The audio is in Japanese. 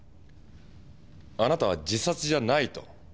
あなたは自殺じゃないと？